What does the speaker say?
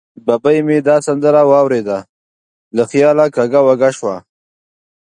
ببۍ مې دا سندره واورېده، له خیاله کږه وږه شوه.